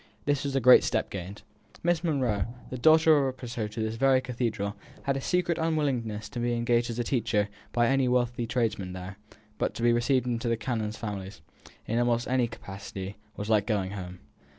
This was a great step gained. Miss Monro, the daughter of a precentor to this very cathedral, had a secret unwillingness to being engaged as a teacher by any wealthy tradesman there; but to be received into the canons' families, in almost any capacity, was like going home.